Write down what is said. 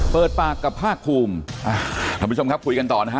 เปิดปากกับภาคภูมิท่านผู้ชมครับคุยกันต่อนะฮะ